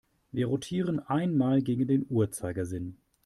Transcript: Wir rotieren einmal gegen den Uhrzeigersinn.